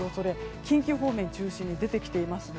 近畿方面中心に出てきています。